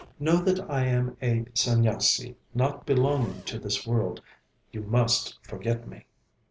Know that I am a Sanyasi, not belonging to this world. You must forget me.'